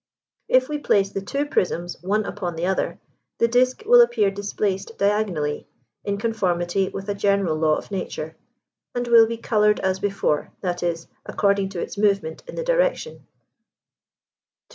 If we place the two prisms one upon the other, the disk will appear displaced diagonally, in conformity with a general law of nature, and will be coloured as before; that is, according to its movement in the direction, _e.g.